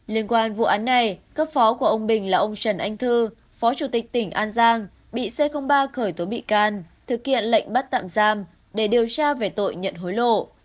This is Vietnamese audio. liên quan vụ án này cấp phó của ông bình là ông trần anh thư phó chủ tịch tỉnh an giang bị c ba khởi tố bị can thực hiện lệnh bắt tạm giam để điều tra về tội nhận hối lộ